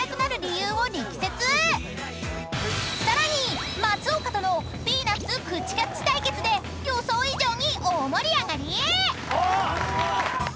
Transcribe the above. ［さらに松岡とのピーナッツ口キャッチ対決で予想以上に大盛り上がり］